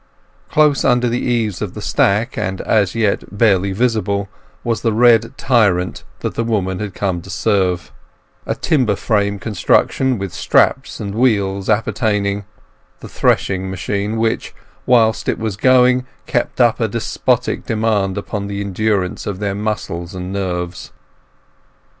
Close under the eaves of the stack, and as yet barely visible, was the red tyrant that the women had come to serve—a timber framed construction, with straps and wheels appertaining—the threshing machine which, whilst it was going, kept up a despotic demand upon the endurance of their muscles and nerves.